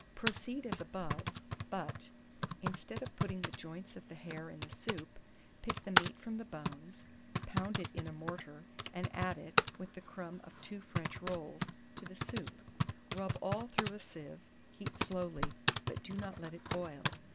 Proceed as above; but, instead of putting the joints of the hare in the soup, pick the meat from the bones, pound it in a mortar, and add it, with the crumb of two French rolls, to the soup. Rub all through a sieve; heat slowly, but do not let it boil.